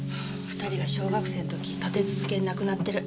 ２人が小学生の時立て続けに亡くなってる。